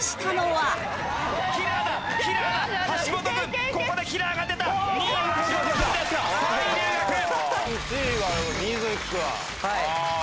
はい。